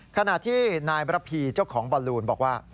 ขณะที่นายบรพีเจ้าของบอลลูนบอกว่า